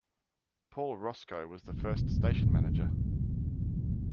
Paul Roscoe was the first station manager.